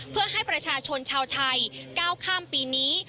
เพื่อให้ประชาชนชาวไทยก้าวข้ามปีนี้